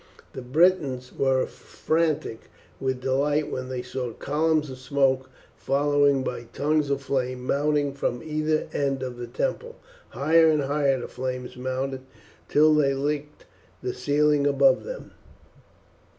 The Britons were frantic with delight when they saw columns of smoke followed by tongues of flames mounting from either end of the temple. Higher and higher the flames mounted till they licked the ceiling above them.